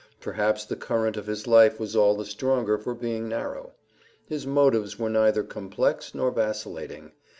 Perhaps the current of his life was all the stronger for being narrow. His motives were neither complex nor vacillating.